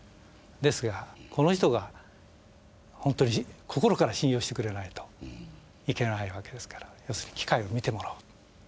ですがこの人がほんとに心から信用してくれないといけないわけですから要するに機械を見てもらう。